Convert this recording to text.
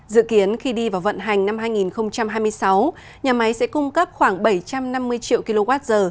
dự kiến khi đi vào vận hành năm hai nghìn hai mươi sáu nhà máy sẽ cung cấp khoảng bảy trăm năm mươi triệu kwh